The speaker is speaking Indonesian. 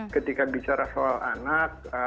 ketika bicara soal anak